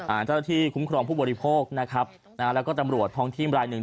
เจ้าหน้าที่คุ้มครองผู้บริโภคนะครับนะฮะแล้วก็ตำรวจท้องทีมรายหนึ่ง